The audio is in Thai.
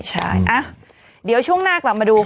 ใช่เดี๋ยวช่วงหน้ากลับมาดู